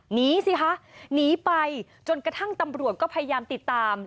หนีสิคะหนีไปจนกระทั่งตำรวจก็พยายามติดตาม